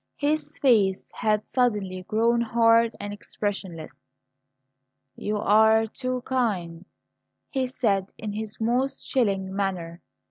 His face had suddenly grown hard and expressionless. "You are too kind," he said in his most chilling manner.